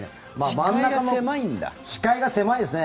真ん中の視界が狭いですね。